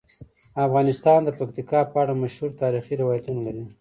افغانستان د پکتیکا په اړه مشهور تاریخی روایتونه لري.